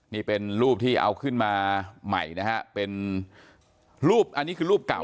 นี่เป็นรูปที่เอาขึ้นมาใหม่นะฮะเป็นรูปอันนี้คือรูปเก่า